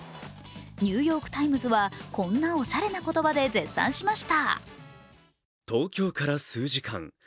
「ニューヨーク・タイムズ」はこんなおしゃれな言葉で絶賛しました。